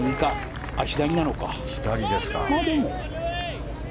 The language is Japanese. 左ですか。